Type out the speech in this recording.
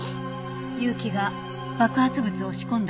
結城が爆発物を仕込んだ